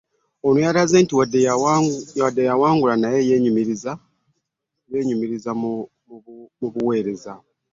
Ono yalaze nti wadde yawangulwa naye yenyumiriza mu buweereza